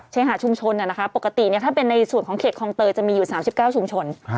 หาชุมชนปกติถ้าเป็นในส่วนของเขตคลองเตยจะมีอยู่๓๙ชุมชน